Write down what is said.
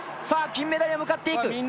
さあ、金メダルへ向かっていく。